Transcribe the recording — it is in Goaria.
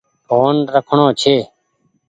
ڦون رکڻو ڇي۔